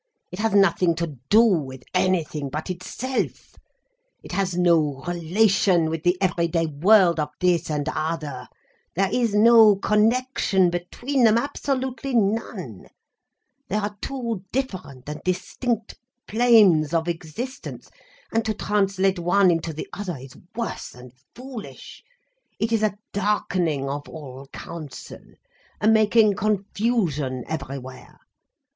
It has nothing to do with anything but itself, it has no relation with the everyday world of this and other, there is no connection between them, absolutely none, they are two different and distinct planes of existence, and to translate one into the other is worse than foolish, it is a darkening of all counsel, a making confusion everywhere.